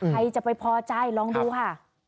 ใครจะไปพอใจลองดูค่ะ